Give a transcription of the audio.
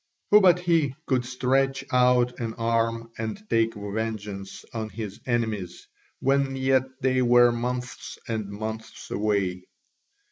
Who but he could stretch out an arm and take vengeance on his enemies when yet they were months and months away?